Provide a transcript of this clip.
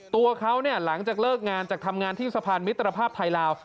ตัวเขาเนี่ยหลังจากเลิกงานจากทำงานที่สะพานมิตรภาพไทยลาว